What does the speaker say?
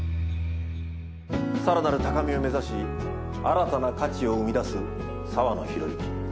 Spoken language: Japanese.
更なる高みを目指し新たな価値を生み出す澤野弘之。